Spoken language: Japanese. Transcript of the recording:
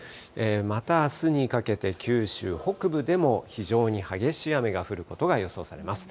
またあすにかけて九州北部でも非常に激しい雨が降ることが予想されます。